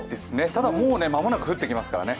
ただもう間もなく降ってきますからね。